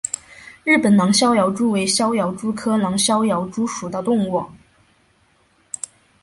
日本狼逍遥蛛为逍遥蛛科狼逍遥蛛属的动物。